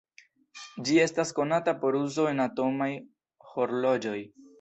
Ĝi estas konata por uzo en atomaj horloĝoj.